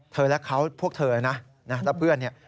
และเขาพวกเธอนะแล้วเพื่อนเนี่ย